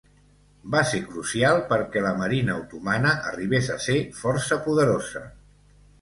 Va ser crucial perquè la marina otomana arribés a ser força poderosa.